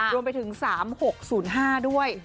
รวมไปถึง๓๖๐๕ด้วย